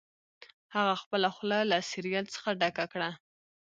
هغه خپله خوله له سیریل څخه ډکه کړه